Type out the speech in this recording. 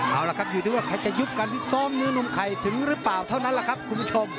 เอาล่ะครับอยู่ที่ว่าใครจะยุบการพิซ้อมเนื้อนมไข่ถึงหรือเปล่าเท่านั้นแหละครับคุณผู้ชม